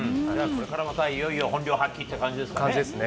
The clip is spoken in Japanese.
これからまた、いよいよ本領発揮って感じですかね。